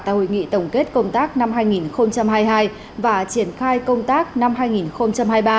tại hội nghị tổng kết công tác năm hai nghìn hai mươi hai và triển khai công tác năm hai nghìn hai mươi ba